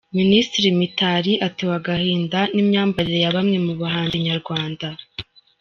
Minisitiri Mitali atewe agahinda n’imyambarire ya bamwe mu bahanzi nyarwanda